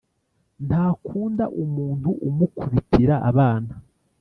Ntakunda umuntu umukubitira abana